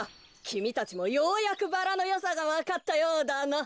きみたちもようやくバラのよさがわかったようだな。